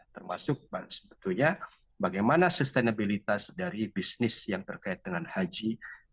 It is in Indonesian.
termasuk sebetulnya bagaimana sustainabilitas dari bisnis yang terkait dengan haji